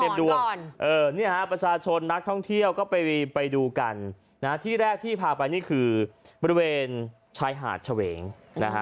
เนี่ยฮะประชาชนนักท่องเที่ยวก็ไปไปดูกันนะฮะที่แรกที่พาไปนี่คือบริเวณชายหาดเฉวงนะฮะ